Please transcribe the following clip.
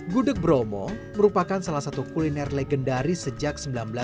gudeg bromo merupakan salah satu kuliner legendaris sejak seribu sembilan ratus sembilan puluh